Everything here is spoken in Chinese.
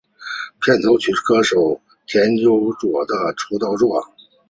片头曲是歌手矢田悠佑的出道作。